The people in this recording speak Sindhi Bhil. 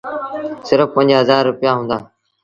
سرڦ پنج هزآر رپيآ هُݩدآ۔